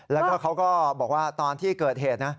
แล้วก็เขาก็บอกว่าตอนที่เกิดเหตุนะ